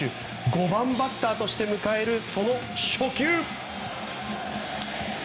５番バッターとして迎えるその初球。